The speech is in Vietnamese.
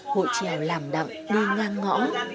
hội trèo làm đậm đi ngang ngõ